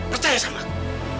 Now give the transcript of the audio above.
percaya sama aku